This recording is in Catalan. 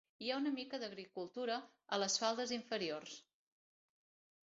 Hi ha una mica d'agricultura a les faldes inferiors.